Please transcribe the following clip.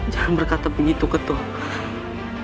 jangan berkata begitu ketul